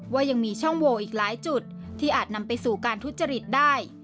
ว่ายังมีช่องโวอีกหลายจุดที่อาจนำไปสู่การทุจริตได้